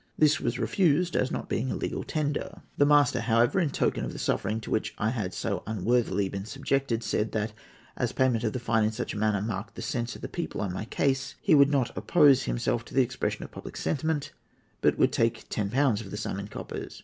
This was refused, as not being a legal tender. The Master, however, in token of the suffering to which I had so unworthily been subjected, said that, as payment of the fine in such a manner marked the sense of the people on my case, he would not oppose himself to the expression of public sentiment, but would take 10£ of the sum in coppers.